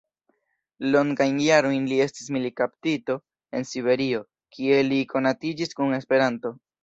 Longajn jarojn li estis militkaptito en Siberio, kie li konatiĝis kun Esperanto.